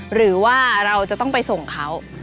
หรือว่าเราจะต้องไปส่งเขา